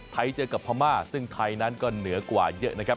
เจอกับพม่าซึ่งไทยนั้นก็เหนือกว่าเยอะนะครับ